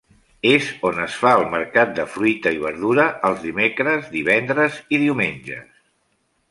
És on es fa el mercat de fruita i verdura els dimecres, divendres i diumenges.